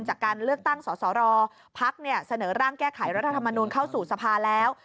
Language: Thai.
จากการเลือกตั้งสสรพักเสนอร่างแก้ไขรัฐธรรมนูลเข้าสู่สภาแล้ว